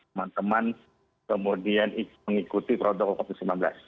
teman teman kemudian mengikuti protokol covid sembilan belas